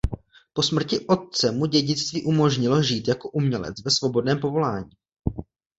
Po smrti otce mu dědictví umožnilo žít jako umělec ve svobodném povolání.